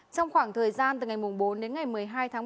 trong khoảng thời gian từ ngày bốn đến ngày một mươi hai tháng một